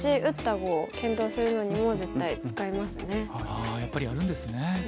ああやっぱりやるんですね。